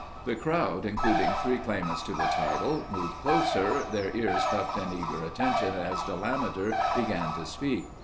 The crowd, including three claimants of the title, moved closer, their ears cupped in eager attention as Delameter began to speak.